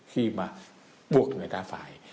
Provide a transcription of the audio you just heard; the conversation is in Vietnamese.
khi mà buộc người ta phải